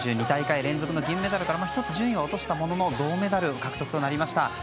２大会連続のメダルで１つ順位は落としたものの銅メダル獲得となりました。